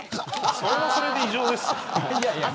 それもそれで異常です。